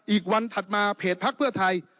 อีกวันถัดมาเพจพักเพื่อไทย